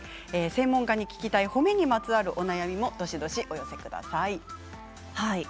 専門家に聞きたい褒めにまつわるお悩みもどしどしお寄せください。